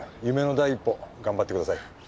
夢の第一歩頑張ってください！